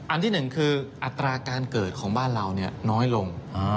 ที่หนึ่งคืออัตราการเกิดของบ้านเราน้อยลง